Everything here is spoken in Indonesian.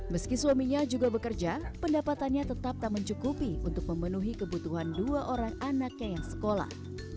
meski suaminya juga bekerja pendapatannya tetap tak mencukupi untuk memenuhi kebutuhan dua orang anaknya yang sekolah